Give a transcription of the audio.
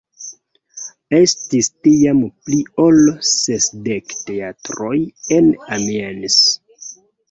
Estis tiam pli ol sesdek teatroj en Amiens.